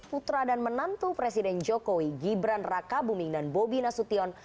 putra dan menantu presiden jokowi gibran raka buming dan bobi nasution